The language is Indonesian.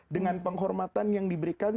dengan penghormatan yang diberikan